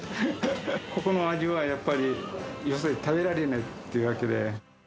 ここの味はやっぱり、よそで食べられないっていうわけで。